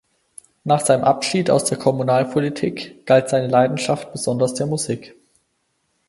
Nach seinem Abschied aus der Kommunalpolitik galt seine Leidenschaft besonders der Musik.